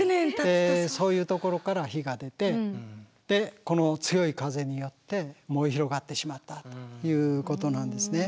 そういう所から火が出てでこの強い風によって燃え広がってしまったということなんですね。